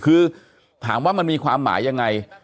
คือถามว่ามันมีความหมายยังไง